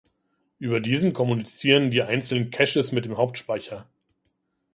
Über diesen kommunizieren die einzelnen Caches mit dem Hauptspeicher.